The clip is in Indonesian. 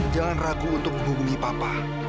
jangan ragu untuk menghubungi papa